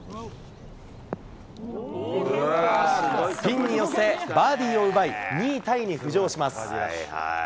ピンに寄せ、バーディーを奪い、２位タイに浮上します。